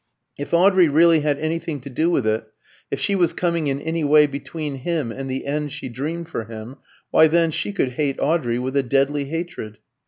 If Audrey really had anything to do with it, if she was coming in any way between him and the end she dreamed for him, why, then, she could hate Audrey with a deadly hatred.